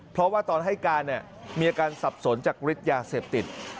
เพราะว่าตอนให้การมีอาการสับสนจากฤทธิ์ยาเสพติด